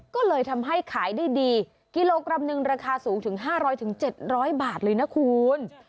ก็เลยทำให้ขายได้ดีกิโลกรัมหนึ่งราคาสูงถึง๕๐๐๗๐๐บาทเลยนะคุณ